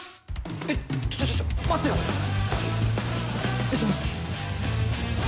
えっちょちょちょ待ってよ失礼します